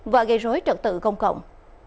và gây rối trận tự công cộng